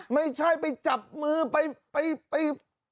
ไม่ใช่ไปจับมือไป